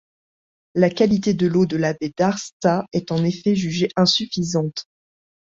La qualité de l'eau de la baie d'Årsta est en effet jugée insuffisante.